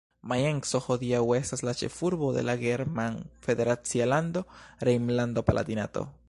Majenco hodiaŭ estas la ĉefurbo de la german federacia lando Rejnlando-Palatinato.